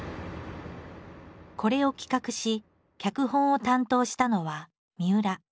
これを企画し脚本を担当したのはみうら。